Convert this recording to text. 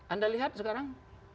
anda lihat sekarang